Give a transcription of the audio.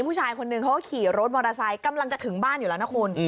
ผู้ชายคนหนึ่งเขาก็ขี่รถมอเตอร์ไซค์กำลังจะถึงบ้านอยู่แล้วนะคุณ